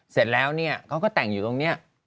เสร็จแล้วเนี่ยเขาก็แต่งอยู่ตรงนี้